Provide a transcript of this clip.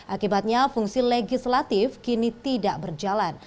akibatnya fungsi legislatif kini tidak berjalan